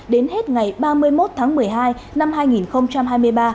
đến hết ngày ba mươi một tháng một mươi hai năm hai nghìn hai mươi ba